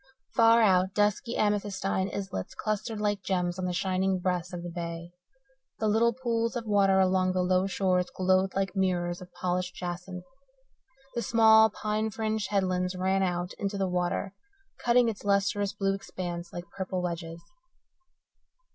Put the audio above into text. Far out dusky amethystine islets clustered like gems on the shining breast of the bay. The little pools of water along the low shores glowed like mirrors of polished jacinth. The small, pine fringed headlands ran out into the water, cutting its lustrous blue expanse like purple wedges.